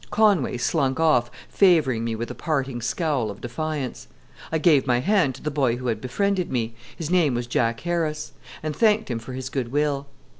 Conway slunk off, favoring me with a parting scowl of defiance. I gave my hand to the boy who had befriended me his name was Jack Harris and thanked him for his good will.